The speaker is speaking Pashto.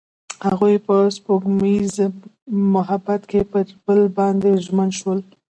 هغوی په سپوږمیز محبت کې پر بل باندې ژمن شول.